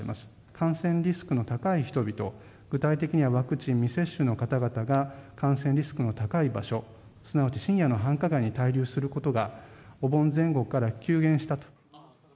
感染リスクの高い人々、具体的にはワクチン未接種の方々が、感染リスクの高い場所、すなわち深夜の繁華街に滞留することが、お盆前後から急減したと。